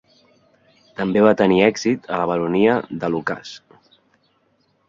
També va tenir èxit a la Baronia de Lucas.